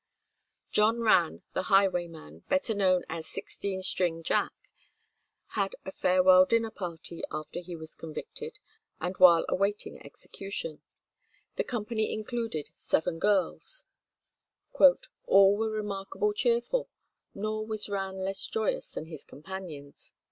John Rann the highwayman, better known as Sixteen String Jack, had a farewell dinner party after he was convicted, and while awaiting execution: the company included seven girls; "all were remarkable cheerful, nor was Rann less joyous than his companions."